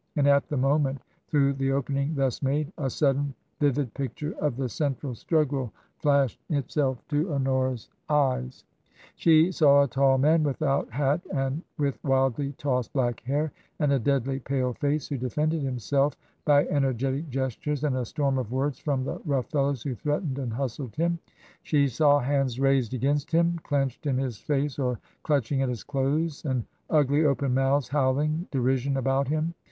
And at the moment, through the opening thus made, a sudden vivid picture of the central struggle flashed itself to Honora's eyes. 1 88 TRANSITION. She saw a tall man, without hat and with wildly tossed black hair and a deadly pale face, who defended himself by energetic gestures and a storm of words from the rough fellows who threatened and hustled him. She saw hands raised against him, clenched in his face or clutch ing at his clothes, and ugly, open mouths howling de rision about him.